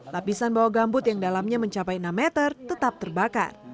lapisan bawah gambut yang dalamnya mencapai enam meter tetap terbakar